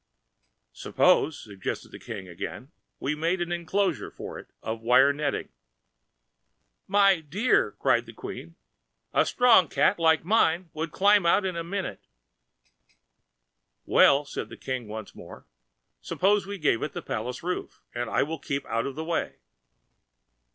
"Suppose," suggested the King again, "we made an enclosure for it of wire netting." "My dear," cried the Queen, "a good strong cat like mine could climb out in a minute." "Well," said the King once more, "suppose we give it the palace roof, and I will keep out of the way."